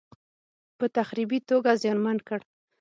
په تخریبي توګه زیانمن کړ.